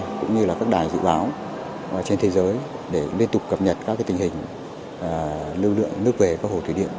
cũng như là các đài dự báo trên thế giới để liên tục cập nhật các tình hình lưu lượng nước về các hồ thủy điện